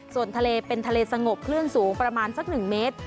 ส่วนทะเลเป็นทะเลสงบคลื่นสูงประมาณสัก๑เมตร